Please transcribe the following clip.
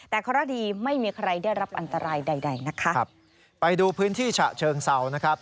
แต่เคราะห์ดีไม่มีใครได้รับอันตรายใดใดนะคะครับไปดูพื้นที่ฉะเชิงเศร้านะครับ